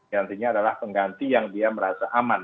nantinya adalah pengganti yang dia merasa aman